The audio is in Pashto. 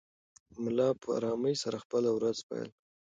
ملا په ارامۍ سره خپله ورځ پیل کړه.